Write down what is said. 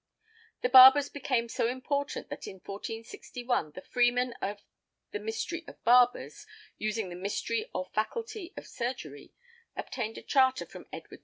The barbers became so important that in 1461 the freemen of "The Mystery of Barbers, using the mystery or faculty of Surgery," obtained a charter from Edward IV.